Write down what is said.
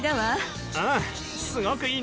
男性：ああ、すごくいいね。